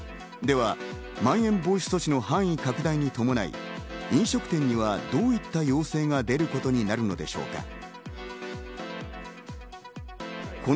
では、まん延防止措置の範囲拡大に伴い、飲食店にはどういった要請が出ることになるのでしょうか。